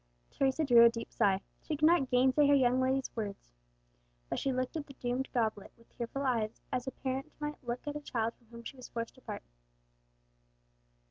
Teresa drew a deep sigh; she could not gainsay her young lady's words, but she looked at the doomed goblet with tearful eyes, as a parent might look at a child from whom she was forced to part.